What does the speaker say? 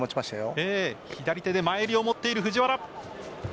左手で前襟を持っている藤原。